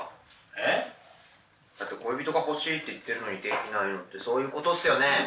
えっ？だって恋人が欲しいって言ってるのにできないのってそういうことっすよね？